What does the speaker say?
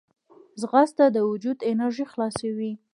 ځغاسته د وجود انرژي خلاصوي